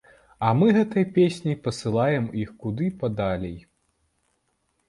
А мы гэтай песняй пасылаем іх куды падалей.